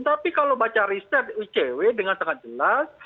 tapi kalau baca riset icw dengan sangat jelas